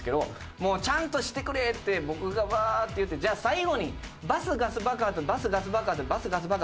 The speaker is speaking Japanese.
「もうちゃんとしてくれ！」って僕がワーッて言って「じゃあ最後にバスガス爆発バスガス爆発バスガス爆発